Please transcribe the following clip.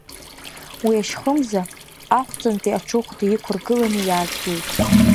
Уи ашьхымза, Ахәҵантәи аҽыхәда иқәыргыланы иаазгеит.